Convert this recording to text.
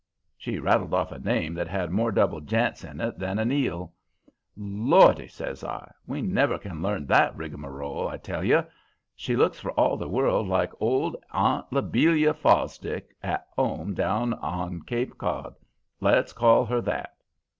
"She rattled off a name that had more double j'ints in it than an eel. "'Lordy!' says I; 'we never can larn that rigamarole. I tell you! She looks for all the world like old A'nt Lobelia Fosdick at home down on Cape Cod. Let's call her that.'